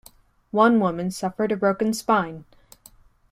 One woman suffered a broken spine.